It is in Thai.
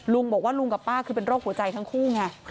ลุงบอกว่าลุงกับป้าคือเป็นโรคหัวใจทั้งคู่ไง